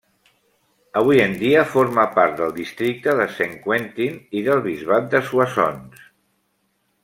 Avui en dia forma part del Districte de Saint-Quentin i del Bisbat de Soissons.